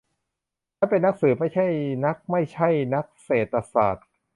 ฉันเป็นนักสืบ ไม่ใช่นักไม่ใช่นักเศรษฐศาสตร์